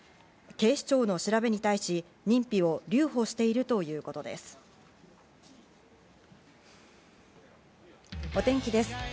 警視庁の調べに対し、認否を留保しているということです。